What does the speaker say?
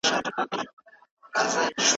تاسو کولای سئ خپل د لیکلو سرعت معلوم کړئ.